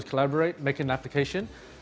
berkolaborasi membuat aplikasi